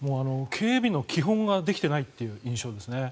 警備の基本ができていないという印象ですね。